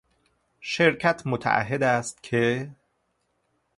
شرکت متعهد است که...